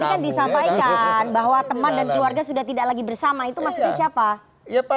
tadi kan disampaikan bahwa teman dan keluarga sudah tidak lagi bersama itu maksudnya siapa